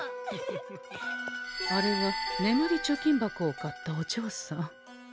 あれは眠り貯金箱を買ったおじょうさん。